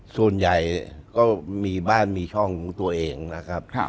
ส่วนใหญ่ก็มีบ้านมีช่องของตัวเองนะครับ